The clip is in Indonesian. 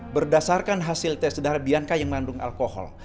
berdasarkan hasil tes darah bianca yang mandung alam